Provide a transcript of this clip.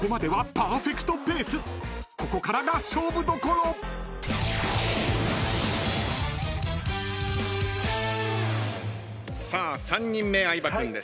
［ここからが勝負どころ］さあ３人目相葉君です。